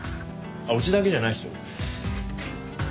うちだけじゃないですよ。